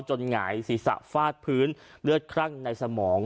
หงายศีรษะฟาดพื้นเลือดคลั่งในสมอง